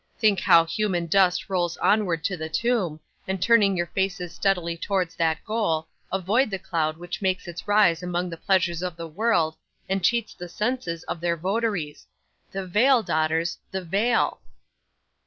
Think how human dust rolls onward to the tomb, and turning your faces steadily towards that goal, avoid the cloud which takes its rise among the pleasures of the world, and cheats the senses of their votaries. The veil, daughters, the veil!"